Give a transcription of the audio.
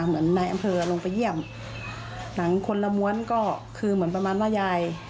เหมือนนายอำเภอลงไปเยี่ยมหนังคนละม้วนก็คือเหมือนประมาณว่ายาย